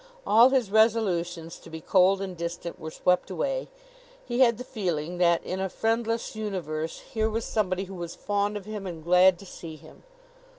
All his resolutions to be cold and distant were swept away. He had the feeling that in a friendless universe here was somebody who was fond of him and glad to see him.